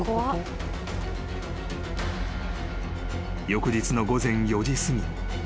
［翌日の午前４時すぎ。